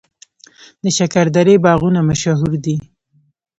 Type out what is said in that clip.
د شکردرې باغونه مشهور دي